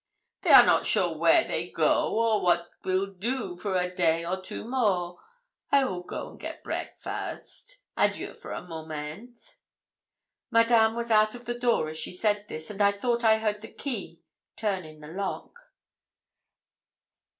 'They are not sure where they will go or what will do for day or two more. I will go and get breakfast. Adieu for a moment.' Madame was out of the door as she said this, and I thought I heard the key turn in the lock.